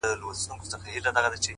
چي له ما یې پاته کړی کلی کور دی؛